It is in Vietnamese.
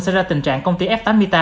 xảy ra tình trạng công ty f tám mươi tám